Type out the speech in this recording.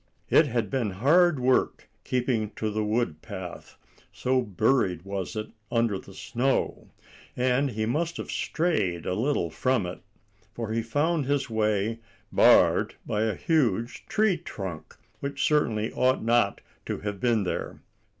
It had been hard work keeping to the wood path, so buried was it under the snow; and he must have strayed a little from it, for he found his way barred by a huge tree trunk, which certainly ought not to have been there.